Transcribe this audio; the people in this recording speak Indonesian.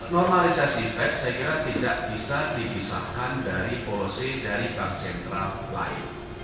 normalisasi fed saya kira tidak bisa dipisahkan dari polosi dari bank sentral lain